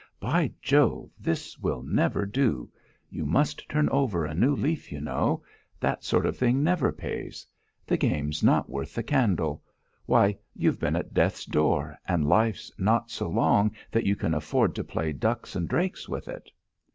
By Jove! this will never do! You must turn over a new leaf, you know. That sort of thing never pays. The game's not worth the candle. Why, you've been at death's door, and life's not so long that you can afford to play ducks and drakes with it."